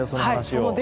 その話を。